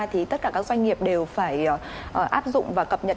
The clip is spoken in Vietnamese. thì tất cả các doanh nghiệp đều phải áp dụng và cập nhật